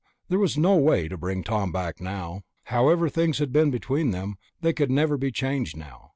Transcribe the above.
There was no way to bring Tom back now. However things had been between them, they could never be changed now.